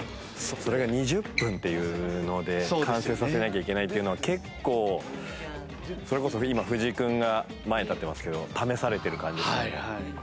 それが２０分っていうので完成させなきゃいけないっていうのは結構それこそ今藤井君が前に立ってますけど試されてる感じですよね。